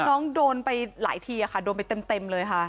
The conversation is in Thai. น้องโดนไปหลายทีค่ะโดนไปเต็มเลยค่ะ